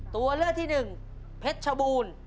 ตัวเลือกที่หนึ่งเพชรชบูรณ์